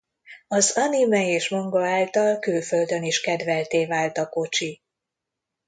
Az anime és manga által külföldön is kedveltté vált a kocsi.